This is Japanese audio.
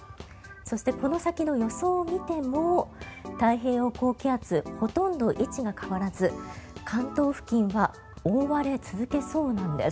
そして、この先の予想を見ても太平洋高気圧ほとんど位置が変わらず関東付近は覆われ続けそうなんです。